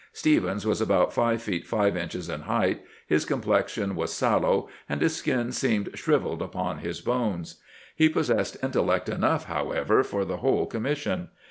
Stephens was about five feet five inches in height; his complexion was sallow, and his skin seemed shriveled upon his bones. He possessed intellect enough, however, for the whole commission.